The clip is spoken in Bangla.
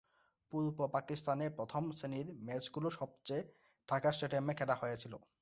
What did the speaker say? পূর্ব পাকিস্তানে প্রথম-শ্রেণীর ম্যাচগুলি সবচেয়ে ঢাকা স্টেডিয়ামে খেলা হয়েছিল।